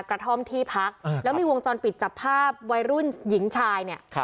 กระท่อมที่พักแล้วมีวงจรปิดจับภาพวัยรุ่นหญิงชายเนี่ย